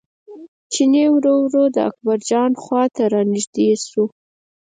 چیني ورو ورو د اکبرجان خواته را نژدې شو.